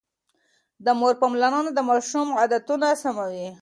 د مور پاملرنه د ماشوم عادتونه سموي.